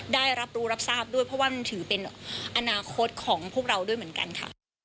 ได้รับรู้รับทราบด้วยเพราะว่ามันถือเป็นอนาคตของพวกเราด้วยเหมือนกันค่ะ